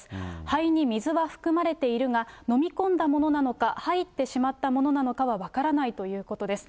肺に水が含まれているが、飲み込んだものなのか、入ってしまったものなのかは分からないということです。